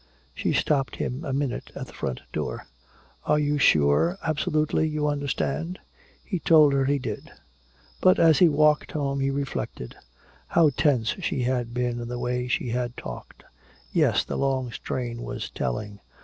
She stopped him a minute at the front door: "Are you sure, absolutely, you understand?" He told her he did. But as he walked home he reflected. How tense she had been in the way she had talked. Yes, the long strain was telling.